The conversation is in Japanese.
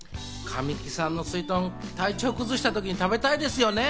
神木さんのすいとん、体調を崩した時に食べたいですよね。